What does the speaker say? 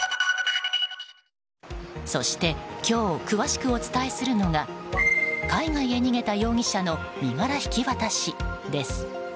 そして、今日詳しくお伝えするのが海外へ逃げた容疑者の身柄引き渡しです。